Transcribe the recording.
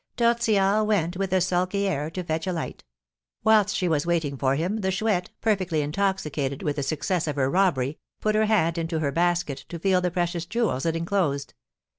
Tortillard went, with a sulky air, to fetch a light. Whilst she was waiting for him, the Chouette, perfectly intoxicated with the success of her robbery, put her hand into her basket to feel the precious jewels it enclosed.